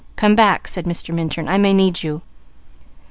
"Come back," said Mr. Minturn. "I may need you."